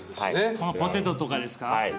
このポテトとかですか？